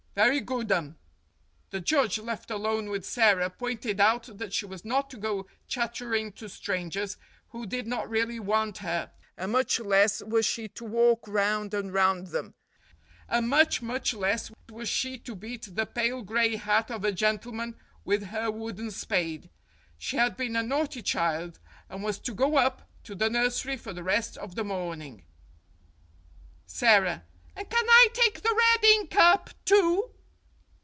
"Very goodum." The judge, left alone with Sara, pointed out that she was not to go chattering to strangers, who did not SARA 191 really want her ; and much less was she to walk round and round them ; and much, much less was she to beat the pale gray hat of a gentleman with her wooden spade. She had been a naughty child, and was to go up to the nursery for the rest of the morning. Sara : And can I take the red ink up, too